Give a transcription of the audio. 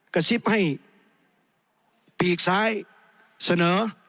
กระซิบให้ปีกซ้ายเสนอ